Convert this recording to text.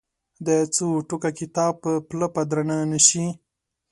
د څو ټوکه کتاب پله به درنه نه شي.